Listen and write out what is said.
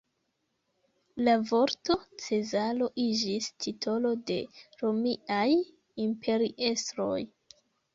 La vorto cezaro iĝis titolo de romiaj imperiestroj.